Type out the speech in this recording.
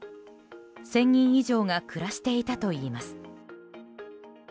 １０００人以上が暮らしていたといいます。